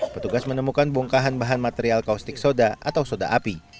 petugas menemukan bongkahan bahan material kaustik soda atau soda api